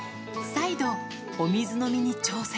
再度、お水飲みに挑戦。